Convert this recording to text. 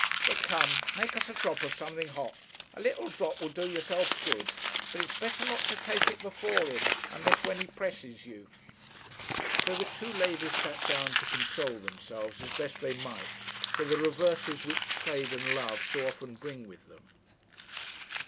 But come, make us a drop of something hot; a little drop will do yourself good; but it's better not to take it before him, unless when he presses you.' So the two ladies sat down to console themselves, as best they might, for the reverses which trade and love so often bring with them.